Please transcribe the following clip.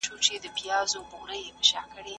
موږ اقتصاد له ټولنیز ژونده نسو جلا کولای.